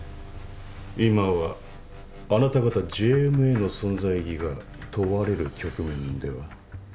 今はあなた方ＪＭＡの存在意義が問われる局面では？